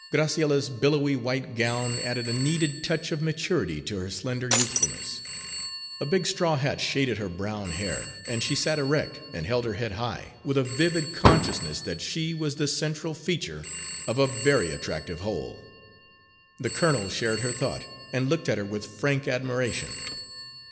Graciella's billowy white gown added a needed touch of maturity to her slender youthfulness. A big straw hat shaded her brown hair, and she sat erect, and held her head high, with a vivid consciousness that she was the central feature of a very attractive whole. The colonel shared her thought, and looked at her with frank admiration.